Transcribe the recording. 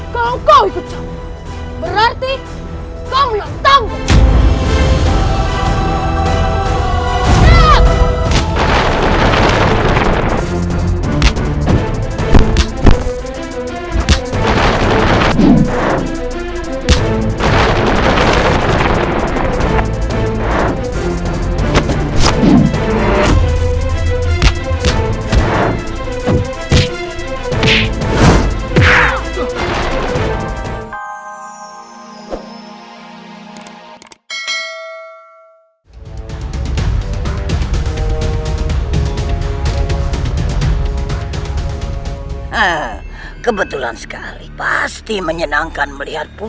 kalo kau ikut sama berarti kau melatangku